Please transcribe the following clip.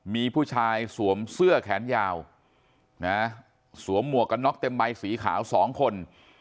มีผู้ชายสวมเสื้อแขนยาวนะสวมหมวกกันน็อกเต็มใบสีขาว๒คน